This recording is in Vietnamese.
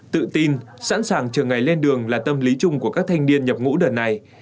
tự tin sẵn sàng chờ ngày lên đường là tâm lý chung của các thanh niên nhập ngũ đợt này